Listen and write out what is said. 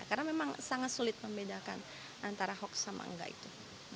karena memang sangat sulit membedakan antara hoax sama tidak itu